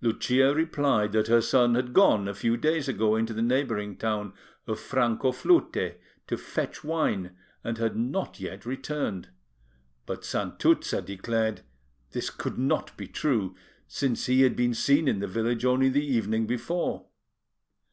Lucia replied that her son had gone a few days ago into the neighbouring town of Francoflute to fetch wine, and had not yet returned; but Santuzza declared this could not be true, since he had been seen in the village only the evening before.